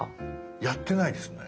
やってないですね。